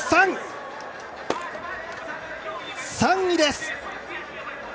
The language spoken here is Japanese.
３位です。